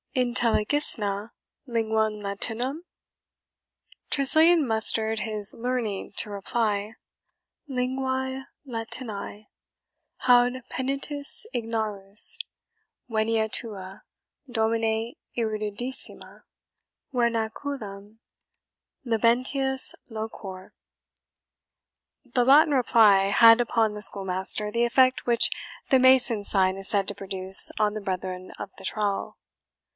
INTELLIGISNE LINGUAM LATINAM?" Tressilian mustered his learning to reply, "LINGUAE LATINAE HAUD PENITUS IGNARUS, VENIA TUA, DOMINE ERUDITISSIME, VERNACULAM LIBENTIUS LOQUOR." The Latin reply had upon the schoolmaster the effect which the mason's sign is said to produce on the brethren of the trowel.